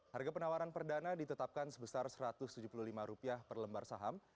harga penawaran perdana ditetapkan sebesar rp satu ratus tujuh puluh lima per lembar saham